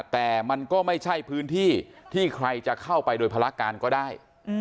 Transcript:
แต่มันก็ไม่ใช่พื้นที่ที่ใครจะเข้าไปโดยภารการก็ได้